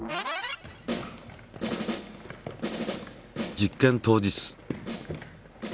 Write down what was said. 実験当日。